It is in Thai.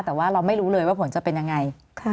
แต่ว่าเราไม่รู้เลยว่าผลจะเป็นยังไง